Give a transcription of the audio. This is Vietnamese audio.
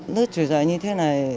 lớp truyền dạy như thế này